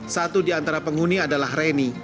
satu di antara penghuni adalah reni